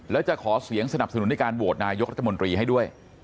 แล้วจะขอเสียงสนับสนุนในการโหวตนายกรัฐมนตรีให้ด้วย